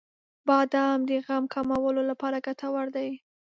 • بادام د غم کمولو لپاره ګټور دی.